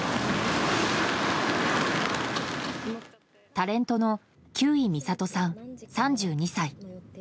タレントの休井美郷さん、３２歳。